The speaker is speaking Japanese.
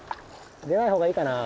出ないほうがいいかな。